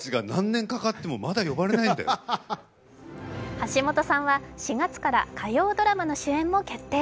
橋本さんは４月から火曜ドラマの主演も決定。